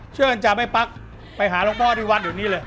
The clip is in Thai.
เชื่อจำไอ้พักไปหาลูกพ่อที่วรรดิ์อากาศตะนี้เลย